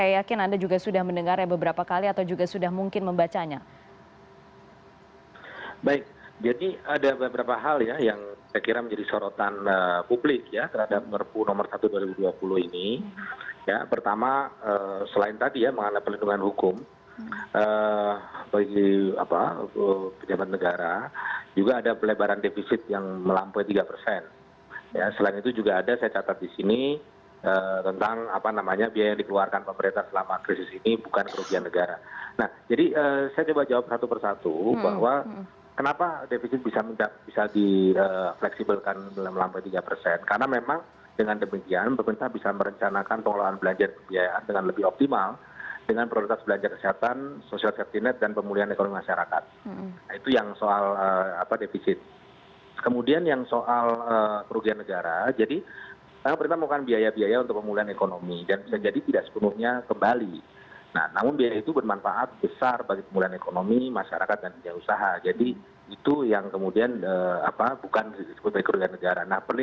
yang juga harus membuat catatan terhadap draft perpu nomor satu tahun dua ribu dua puluh ini